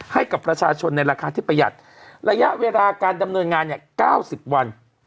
ให้กับประชาชนในราคาที่ประหยัดระยะเวลาการดำเนินงานเนี่ย๙๐วัน